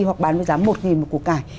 hoặc bán với giá một một củ cải